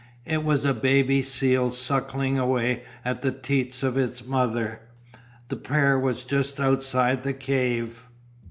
It was a baby seal sucking away at the teats of its mother. The pair was just outside the cave.